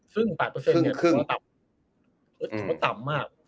ซึ่ง๘แล้วต่ำมาก